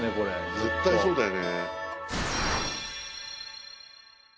絶対そうだよね。